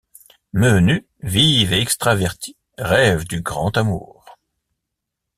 Meenu, vive et extravertie rêve du grand amour.